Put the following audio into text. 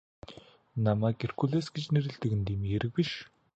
Намайг Геркулес гэж нэрлэдэг нь дэмий хэрэг биш.